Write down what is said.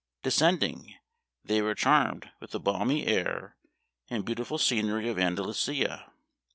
Descend ing, they were charmed with the balmy air and beautiful scenery of Andalusia.